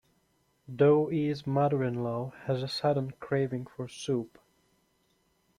Dou E's mother-in-law has a sudden craving for soup.